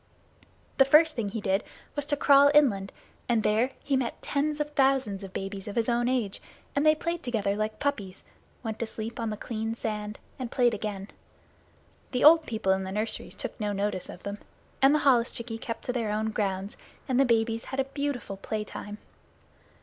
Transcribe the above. The first thing he did was to crawl inland, and there he met tens of thousands of babies of his own age, and they played together like puppies, went to sleep on the clean sand, and played again. The old people in the nurseries took no notice of them, and the holluschickie kept to their own grounds, and the babies had a beautiful playtime.